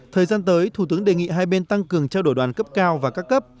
thời gian tới thủ tướng đề nghị hai bên tăng cường trao đổi đoàn cấp cao và các cấp